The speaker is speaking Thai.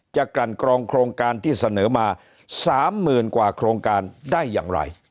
กลั่นกรองโครงการที่เสนอมา๓๐๐๐กว่าโครงการได้อย่างไร